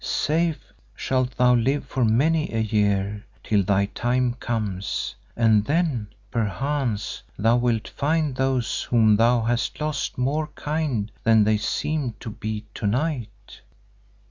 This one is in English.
Safe shalt thou live for many a year, till thy time comes, and then, perchance, thou wilt find those whom thou hast lost more kind than they seemed to be to night."